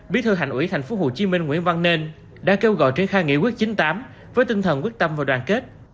bí thư hành ủy thành phố hồ chí minh nguyễn văn nên đã kêu gọi triển khai nghị quyết chín mươi tám với tinh thần quyết tâm và đoàn kết